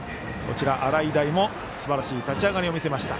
洗平もすばらしい立ち上がりを見せました。